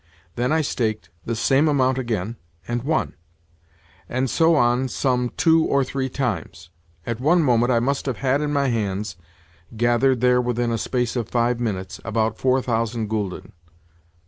Then I staked the same amount again, and won: and so on some two or three times. At one moment I must have had in my hands—gathered there within a space of five minutes—about 4000 gülden.